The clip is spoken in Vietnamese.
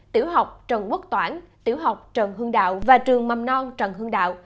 tiểu học trần quốc toản tiểu học trần hương đạo và trường mầm non trần hưng đạo